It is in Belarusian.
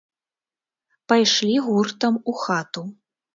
Пайшлі гуртам у хату.